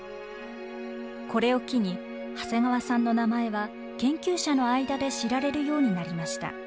これを機に長谷川さんの名前は研究者の間で知られるようになりました。